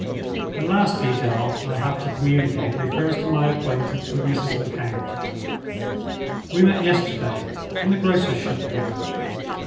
"The last detail I have to communicate refers to my acquaintance with Mrs. Lecount. "We met yesterday, in the grocer's shop here.